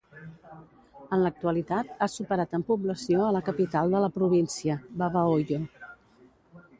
En l'actualitat, ha superat en població a la capital de la província, Babahoyo.